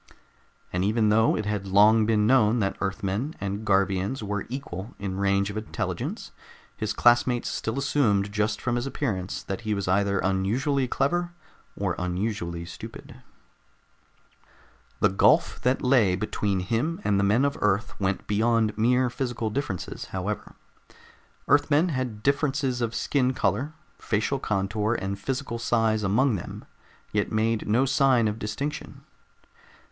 And even though it had long been known that Earthmen and Garvians were equal in range of intelligence, his classmates still assumed just from his appearance that he was either unusually clever or unusually stupid. The gulf that lay between him and the men of Earth went beyond mere physical differences, however. Earthmen had differences of skin color, facial contour and physical size among them, yet made no sign of distinction.